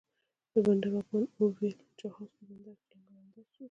د بندر واکمن اوویل، جهاز په بندر کې لنګر انداز سو